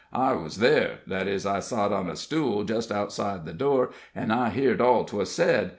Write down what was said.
I was there that is, I sot on a stool jest outside the door, an' I heerd all 'twas said.